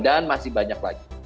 dan masih banyak lagi